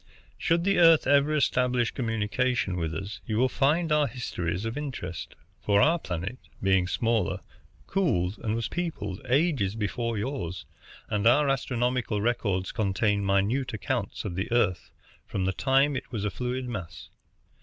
Should the Earth ever establish communication with us, you will find our histories of interest; for our planet, being smaller, cooled and was peopled ages before yours, and our astronomical records contain minute accounts of the Earth from the time it was a fluid mass.